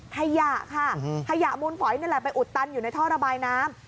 ขยะค่ะขยะมูลฝอยนี่แหละไปอุดตันอยู่ในท่อระบายน้ำ